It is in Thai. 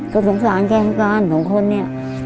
ก็สงสารแก้ทางการสองคนนี้